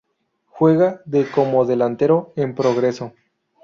Juega de como delantero en Progreso.